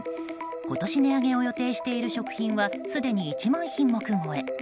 今年値上げを予定している食品はすでに１万品目超え。